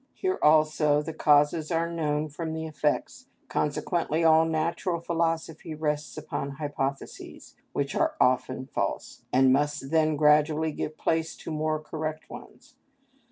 Here also the causes are known from the effects, consequently all natural philosophy rests upon hypotheses, which are often false, and must then gradually give place to more correct ones.